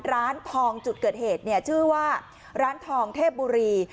ร้านทองจุดเกิดเหตุเนี่ยชื่อว่าร้านทองเทพบุรี